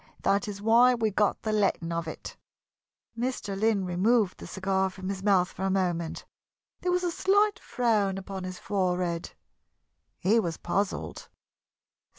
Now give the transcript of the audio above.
That is why we got the letting of it." Mr. Lynn removed the cigar from his mouth for a moment. There was a slight frown Upon his forehead. He was puzzled.